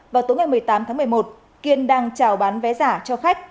vào tối ngày một mươi tám một mươi một kiên đang chào bán vé giả cho khách